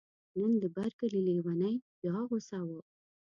نن د بر کلي لیونی بیا غوصه و.